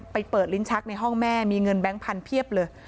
ไปเปิดลิ้นชักในห้องแม่มีเงินแบงค์พันธุ์เพียบเลย